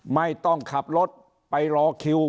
ไม่ต้องขับรถไปรอคิว